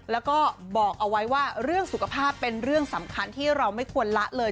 แล้วก็บอกเอาไว้ว่าเรื่องสุขภาพเป็นเรื่องสำคัญที่เราไม่ควรละเลย